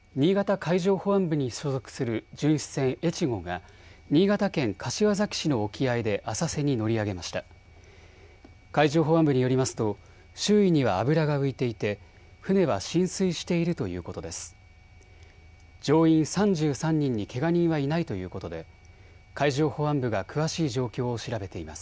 海上保安部によりますと周囲には油が浮いていて船は浸水しているということです。